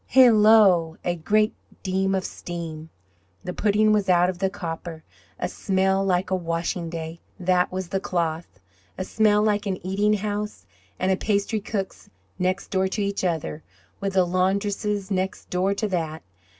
Hallo! A great deal of steam! The pudding was out of the copper. A smell like a washing day! That was the cloth. A smell like an eating house and a pastry cook's next door to each other, with a laundress's next door to that!